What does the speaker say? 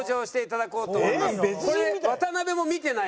これ渡辺も見てない？